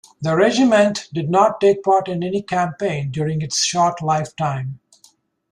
The regiment did not take part in any campaign during its short lifetime.